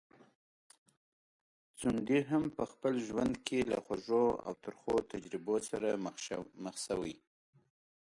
ځونډی هم په خپل ژوند کي له خوږو او ترخو تجربو سره مخ شوی.